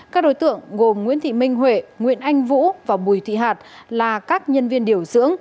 các đối tượng gồm nguyễn thị minh huệ nguyễn anh vũ và bùi thị hạt là các nhân viên điều dưỡng